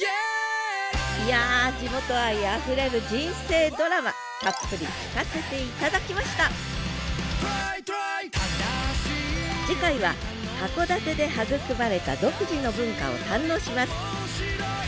いや地元愛あふれる人生ドラマたっぷり聞かせて頂きました次回は函館で育まれた独自の文化を堪能します。